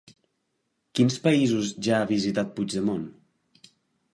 Quins països ja ha visitat Puigdemont?